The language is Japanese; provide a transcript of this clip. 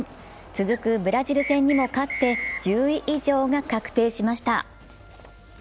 続くブラジル戦にも勝って、１０位以上が確定しました。